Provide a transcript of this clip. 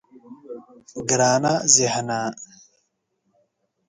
گرانه ذهنه.